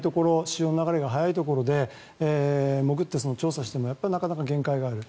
潮の流れが速いところで潜って調査をしても限界がある。